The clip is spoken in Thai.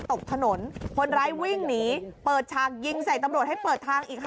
ตกถนนคนร้ายวิ่งหนีเปิดฉากยิงใส่ตำรวจให้เปิดทางอีกค่ะ